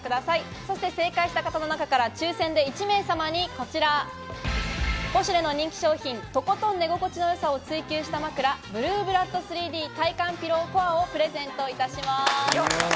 そして正解した方の中から抽選で１名様にこちら、ポシュレの人気商品、とことん寝心地の良さを追求した枕「ブルーブラッド３Ｄ体感ピローＣＯＲＥ」をプレゼントいたします。